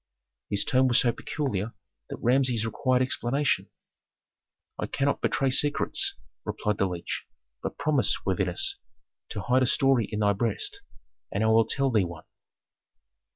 His tone was so peculiar that Rameses required explanation. "I cannot betray secrets," replied the leech; "but promise, worthiness, to hide a story in thy breast, and I will tell thee one."